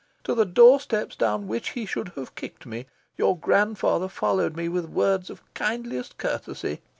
To the doorsteps down which he should have kicked me, your grandfather followed me with words of kindliest courtesy.